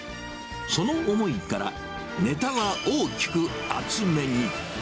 その思いから、ネタは大きく厚めに。